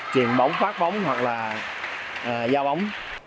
truyền bóng phát bóng hoặc là giao bóng